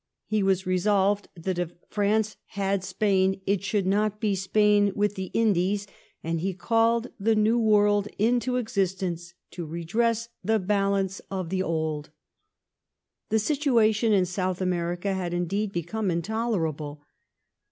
He was re solved that \jt France had Spain, it should not be Spain with the W>^ /Indies, and/^e " called the New World into existence to redress the /^ balance of the Old "v^* The situation in South America had indeed become intolerable.